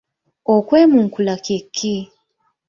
Okwemunkula kye ki?